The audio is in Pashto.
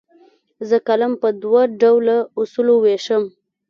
زه کالم په دوه ډوله اصولو ویشم.